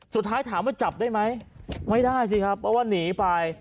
สุดท้ายถามว่าจับได้ไหมไม่ได้สิครับเพราะว่าหนีไป